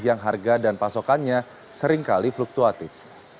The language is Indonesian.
yang harga dan pasokannya seringkali fluktuatif